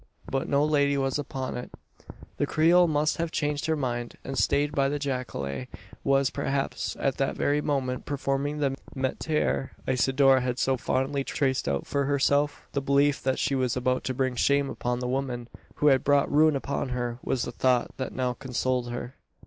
But no lady was upon it. The Creole must have changed her mind, and stayed by the jacale was, perhaps, at that very moment performing the metier Isidora had so fondly traced out for herself? The belief that she was about to bring shame upon the woman who had brought ruin upon her, was the thought that now consoled her.